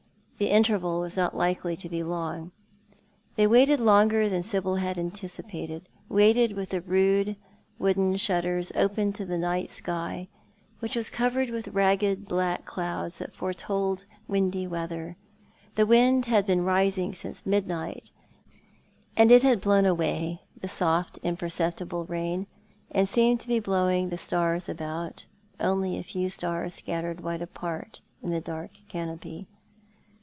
The interval was not likely to be long. They waited longer than Sibyl had anticipated, waited with the rude wooden shutters open to the night sky, which was covered with ragged black clouds that foretold windy weather. The wind had been rising since midnight, and it had blown away the soft imperceptible rain, and seemed to be blowing the stars about— only a few stars scattered wide apart in the dark canopy.